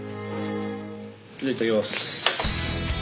じゃあいただきます。